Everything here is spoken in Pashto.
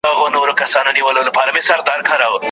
د ګاونډيو هېوادونو سره سوداګري څنګه وه؟